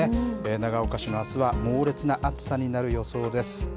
長岡市のあすは、猛烈な暑さになる予想です。